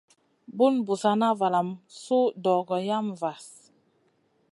Bun Busana valam su dogo yam vahl.